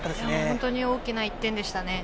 本当に大きな１点でしたね。